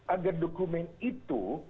agar dokumen itu